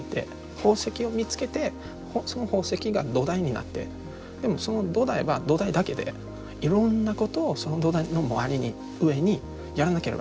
宝石を見つけてその宝石が土台になってでもその土台は土台だけでいろんなことをその土台の周りに上にやらなければならない。